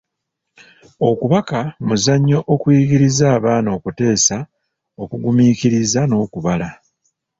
Okubaka, muzannyo okuyigiriza abaana okuteesa okugumiikiriza n’okubala.